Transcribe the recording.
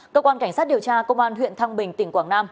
cơ quan cảnh sát điều tra công an huyện thăng bình tỉnh quảng nam